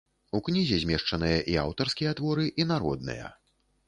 У кнізе змешчаныя і аўтарскія творы, і народныя.